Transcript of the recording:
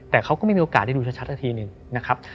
แต่เขาก็ไม่มีโอกาสได้ดูชัดสักทีหนึ่งนะครับ